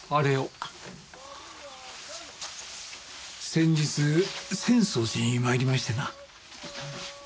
先日浅草寺に参りましてな。